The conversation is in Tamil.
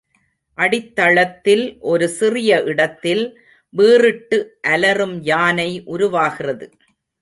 அடித்தளத்தில் ஒரு சிறிய இடத்தில் வீறிட்டு அலறும் யானை உருவாகிறது.